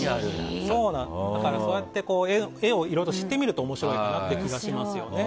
だから、そうして絵をいろいろ知ってみると面白い気がしますね。